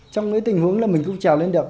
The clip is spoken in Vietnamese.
trong những tình huống là mình cũng trèo lên được